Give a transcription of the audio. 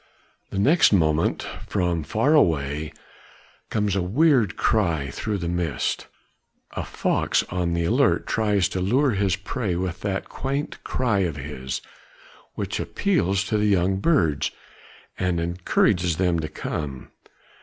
The next moment from far away comes a weird cry through the mist. A fox on the alert tries to lure his prey with that quaint cry of his, which appeals to the young birds and encourages them to come.